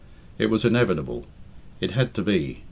It was inevitable; it had to be.